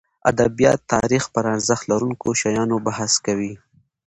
ادبیات تاریخ پرارزښت لرونکو شیانو بحث کوي.